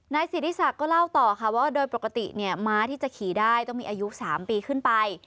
นายศรีษักรรมก็เล่าต่อว่าโดยปกติม้าที่จะขี่ได้ต้องมีอายุ๓ปีขึ้นไป